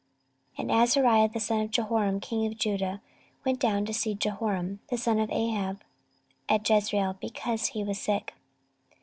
And Azariah the son of Jehoram king of Judah went down to see Jehoram the son of Ahab at Jezreel, because he was sick.